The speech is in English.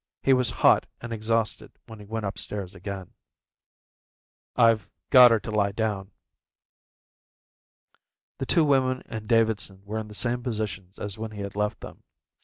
He was hot and exhausted when he went upstairs again. "I've got her to lie down." The two women and Davidson were in the same positions as when he had left them.